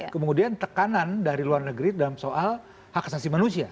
kemudian tekanan dari luar negeri dalam soal hak asasi manusia